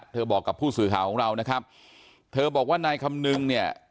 บอกกับผู้สื่อข่าวของเรานะครับเธอบอกว่านายคำนึงเนี่ย